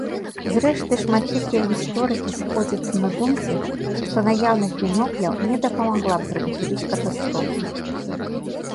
Зрэшты, шматлікія гісторыкі сыходзяцца на думцы, што наяўнасць бінокляў не дапамагло б прадухіліць катастрофу.